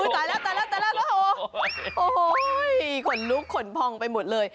ตายแล้วตายแล้วตายแล้วโอ้โหขนลุกขนพองไปหมดเลย